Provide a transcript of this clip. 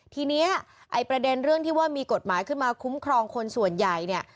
ทีนี้ไอ้ประเด็นเรื่องที่ว่ามีกฎหมายขึ้นมาคุ้มครองคนส่วนใหญ่เนี่ย